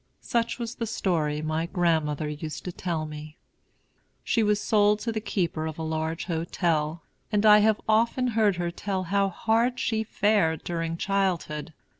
Such was the story my grandmother used to tell me. She was sold to the keeper of a large hotel, and I have often heard her tell how hard she fared during childhood.